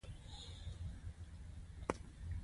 په دې وطن د پيسو باران وشو.